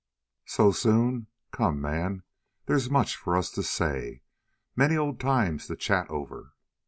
"So soon? Come, man, there's much for us to say. Many old times to chat over."